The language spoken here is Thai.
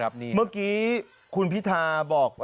สมัยไม่เรียกหวังผม